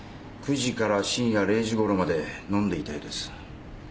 ９時から深夜０時頃まで飲んでいたようです。